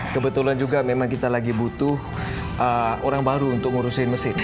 kebetulan juga memang kita lagi butuh orang baru untuk ngurusin mesin